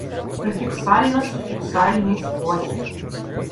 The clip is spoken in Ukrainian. Префіксально-суфіксальний спосіб